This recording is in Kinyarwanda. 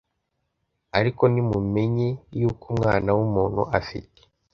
ariko nimumenye yuko umwana w umuntu afite